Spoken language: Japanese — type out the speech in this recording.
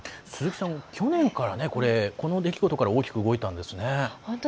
去年のこの出来事から大きく動いたんですね。